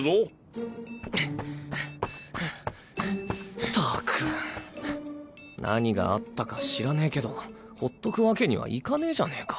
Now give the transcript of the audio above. ったく！何があったか知らねえけどほっとくわけにはいかねえじゃねえか